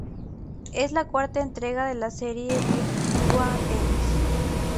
Es la cuarta entrega de la serie Virtua Tennis.